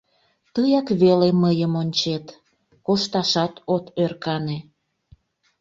Тыяк веле мыйым ончет, кошташат от ӧркане.